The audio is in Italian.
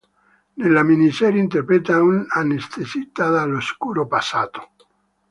Nella miniserie interpreta un anestesista dall'oscuro passato.